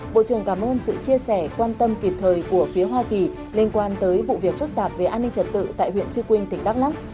bộ trưởng cảm ơn sự chia sẻ quan tâm kịp thời của phía hoa kỳ liên quan tới vụ việc phức tạp về an ninh trật tự tại huyện trư quynh tỉnh đắk lắc